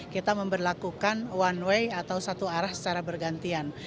kita memperlakukan one way atau satu arah secara bergantian